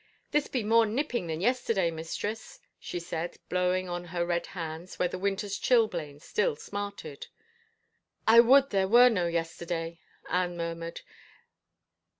" This be more nipping than yesterday, mistress," she said, blowing on her red hands where the winter's chil blains still smarted. I would there were no yesterday," Anne murmured.